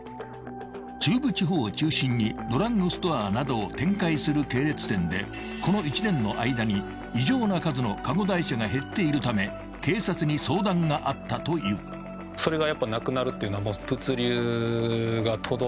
［中部地方を中心にドラッグストアなどを展開する系列店でこの１年の間に異常な数のカゴ台車が減っているため警察に相談があったという］ですんで。